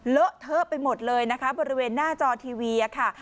เลอะเทอะไปหมดเลยนะคะบริเวณหน้าจอทีวีค่ะ